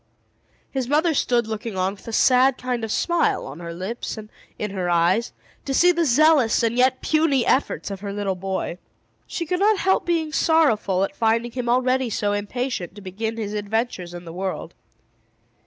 His mother stood looking on, with a sad kind of a smile on her lips and in her eyes, to see the zealous and yet puny efforts of her little boy. She could not help being sorrowful at finding him already so impatient to begin his adventures in the world.